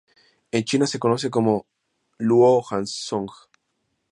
En China se conoce como 羅漢松 luo han song.